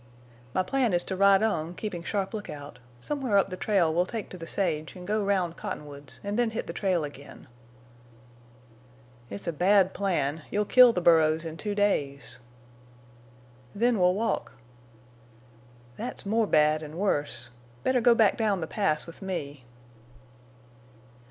"My plan is to ride on, keeping sharp lookout. Somewhere up the trail we'll take to the sage and go round Cottonwoods and then hit the trail again." "It's a bad plan. You'll kill the burros in two days." "Then we'll walk." "That's more bad an' worse. Better go back down the Pass with me."